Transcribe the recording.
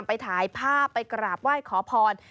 ไปถ่ายภาพไปกราบไหว้ขอพร